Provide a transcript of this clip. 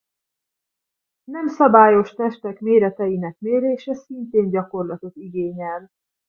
Nem szabályos testek méreteinek mérése szintén gyakorlatot igényel.